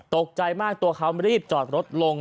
ตกใจมากตัวเขารีบจอดรถลง